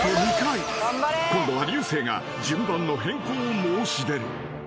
［今度は竜星が順番の変更を申し出る］